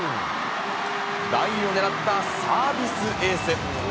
ラインを狙ったサービスエース。